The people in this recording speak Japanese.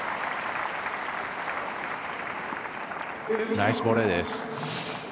ナイスボレーです。